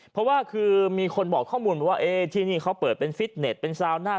เพราะว่าคือมีคนบอกข้อมูลมาว่าที่นี่เขาเปิดเป็นฟิตเน็ตเป็นซาวน่า